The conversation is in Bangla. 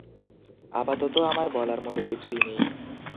আপাতত আমার বলার মতো কিছুই নেই।